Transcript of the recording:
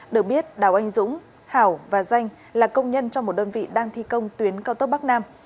được biết đào anh dũng hảo và danh là công nhân trong một đơn vị đang thi công tuyến cao tốc bắc nam